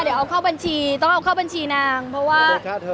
เดี๋ยวเอาเข้าบัญชีต้องเอาเข้าบัญชีนางเพราะว่า